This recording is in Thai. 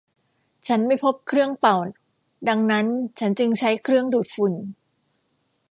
ฉันไม่พบเครื่องเป่าดังนั้นฉันจึงใช้เครื่องดูดฝุ่น